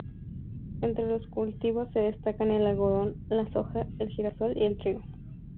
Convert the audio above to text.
Entre los cultivos se destacan el algodón, la soja, el girasol y el trigo.